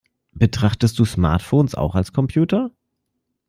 Betrachtest du Smartphones auch als Computer?